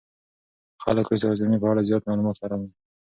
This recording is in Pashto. خلک اوس د هاضمې په اړه زیات معلومات لولي.